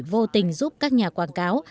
vô tình giúp các nhà quảng cáo